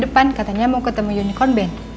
sebesar kenang bersama lower body